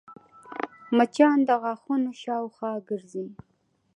مچان د غاښونو شاوخوا ګرځي